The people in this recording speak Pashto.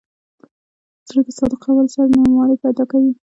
زړه د صادقو خبرو سره نرموالی پیدا کوي.